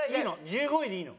１５位でいいの？